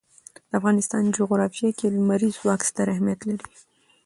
د افغانستان جغرافیه کې لمریز ځواک ستر اهمیت لري.